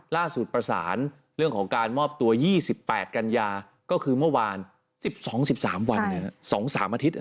ล่าสุดประสานเรื่องของการมอบตัว๒๘กันยาก็คือเมื่อวาน๑๒๑๓วัน๒๓อาทิตย์